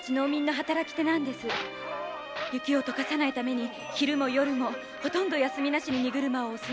「雪を解かさないために昼も夜も休みなしに荷車を押すんです」